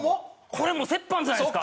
これも折半じゃないですか？